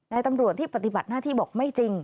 ตำรวจที่ปฏิบัติหน้าที่บอกไม่จริง